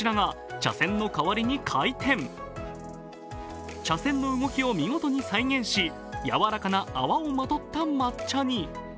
茶せんの動きを見事に再現し、やわらかな泡をまとった抹茶に。